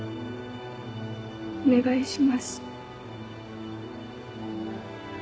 お願いします。